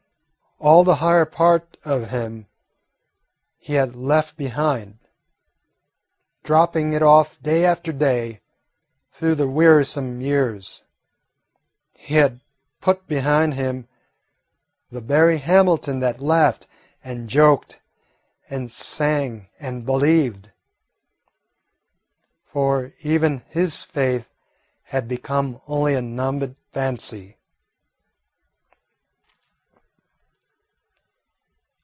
All the higher part of him he had left behind, dropping it off day after day through the wearisome years. He had put behind him the Berry Hamilton that laughed and joked and sang and believed, for even his faith had become only a numbed fancy.